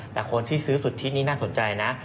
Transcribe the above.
แต่คนที่ซื้อสุทธินี่น่าสนใจนะ